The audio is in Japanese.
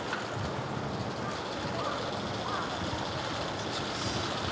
失礼します。